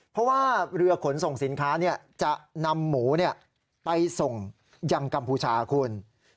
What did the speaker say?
เพราะว่าเรือขนส่งสินค้าจะนำหมูไปส่งยังกัมพูชาคุณ